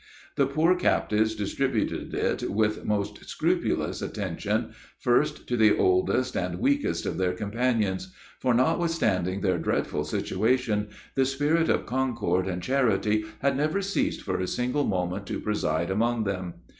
The poor captives distributed it with the most scrupulous attention, first to the oldest and weakest of their companions; for, notwithstanding their dreadful situation, the spirit of concord and charity had never ceased for a single moment to preside among them.